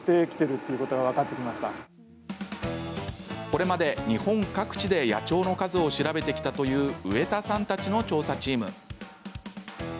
これまで日本各地で野鳥の数を調べてきたという植田さんたちの調査チーム。